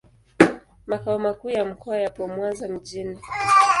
Makao makuu ya mkoa yapo Mwanza mjini.